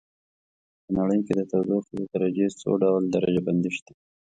په نړۍ کې د تودوخې د درجې څو ډول درجه بندي شته.